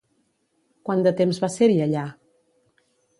Quant de temps va ser-hi allà?